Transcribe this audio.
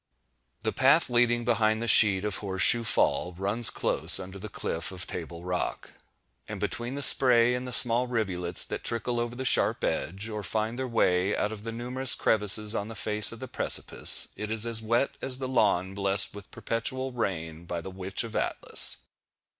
The path leading behind the sheet of Horse Shoe Fall, runs close under the cliff of Table Rock; and between the spray and the small rivulets that trickle over the sharp edge, or find their way out of the numerous crevices on the face of the precipice, it is as wet as the lawn blessed with "perpetual rain" by the Witch of Atlas.